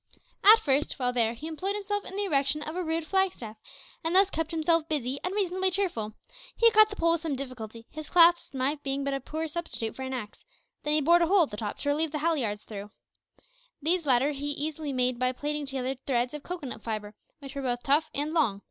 At first, while there, he employed himself in the erection of a rude flag staff, and thus kept himself busy and reasonably cheerful. He cut the pole with some difficulty, his clasp knife being but a poor substitute for an axe; then he bored a hole at the top to reave the halliards through. These latter he easily made by plaiting together threads of cocoanut fibre, which were both tough and long.